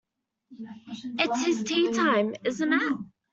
It's his tea-time, isn't it?